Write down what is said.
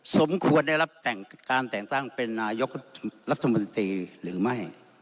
สมควรได้รับแต่งการแต่งตั้งเป็นนายกรัฐมนตรีหรือไม่